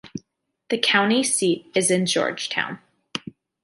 The county seat is Georgetown.